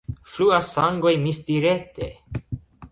Fluas sangoj misdirekte.